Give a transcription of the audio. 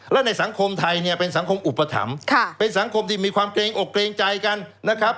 และในสังคมไทยเนี่ยเป็นสังคมอุปถัมภ์เป็นสังคมที่มีความเกรงอกเกรงใจกันนะครับ